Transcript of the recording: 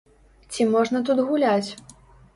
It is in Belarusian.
Ці можна тут гуляць?